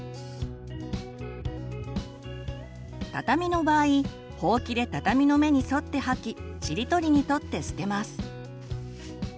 畳の場合ほうきで畳の目に沿って掃きちりとりに取って捨てます。